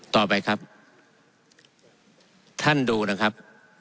ต่อไปครับท่านดูนะครับ